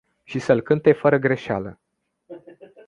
Și să-l cânte fără greșeală.